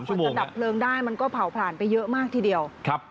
กว่าจะดับเพลิงได้มันก็เผาผลาญไปเยอะมากทีเดียวครับ